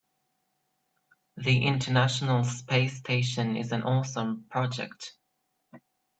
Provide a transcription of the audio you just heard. The international space station is an awesome project.